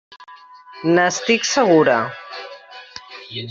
N'estic segura.